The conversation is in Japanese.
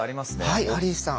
はいハリーさん。